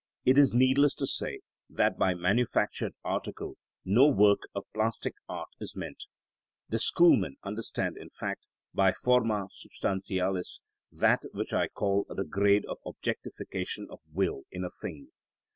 It is needless to say that by manufactured article no work of plastic art is meant. The schoolmen understand, in fact, by forma substantialis that which I call the grade of the objectification of will in a thing.